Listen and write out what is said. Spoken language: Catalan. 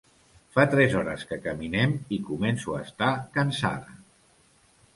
Fa tres hores que caminem i començo a estar cansada.